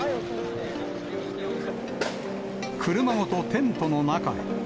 車ごとテントの中へ。